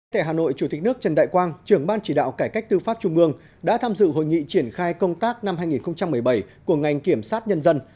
tại hà nội chủ tịch nước trần đại quang trưởng ban chỉ đạo cải cách tư pháp trung ương đã tham dự hội nghị triển khai công tác năm hai nghìn một mươi bảy của ngành kiểm sát nhân dân